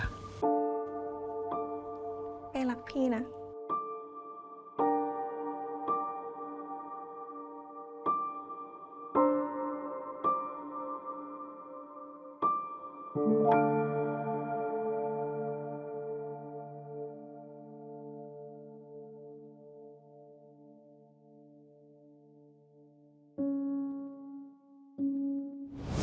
ไปรักพี่นะ